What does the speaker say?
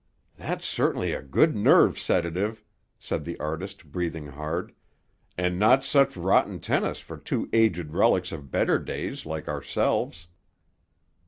"That's certainly a good nerve sedative," said the artist breathing hard; "and not such rotten tennis for two aged relics of better days, like ourselves."